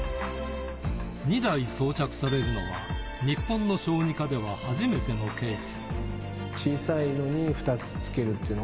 ２台装着されるのは日本の小児科では初めてのケース。